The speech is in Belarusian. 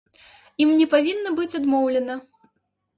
Ім не павінна быць адмоўлена.